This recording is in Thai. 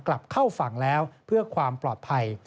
กลับเข้าฝั่งแล้วเพื่อความปลอดภัย